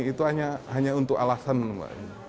itu hanya untuk alasan mbak